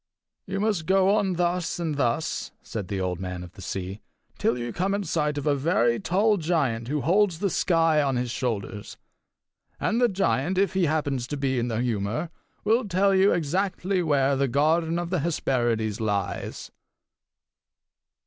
"You must go on thus and thus," said the Old Man of the Sea, "till you come in sight of a very tall giant who holds the sky on his shoulders. And the giant, if he happens to be in the humour, will tell you exactly where the garden of the Hesperides lies."